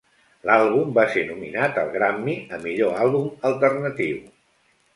L'àlbum va ser nominat al Grammy a millor àlbum alternatiu.